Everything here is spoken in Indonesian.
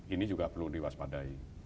ini juga perlu diwaspadai